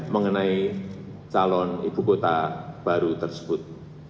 mengenai calon ibu kota baru tersebut